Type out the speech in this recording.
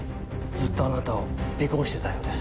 ずっとあなたを尾行してたようです。